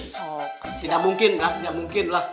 tidak mungkin ga tidak mungkin lah